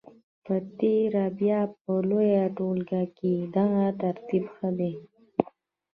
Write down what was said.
په تېره بیا په لویه ټولګه کې دغه ترتیب ښه دی.